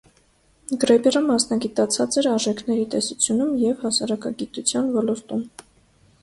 Գրեբերը մասնագիտացած էր արժեքի տեսությունում և հասարակագիտության ոլորտում։